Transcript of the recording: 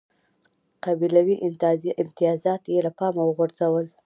قبیلوي امتیازات یې له پامه وغورځول.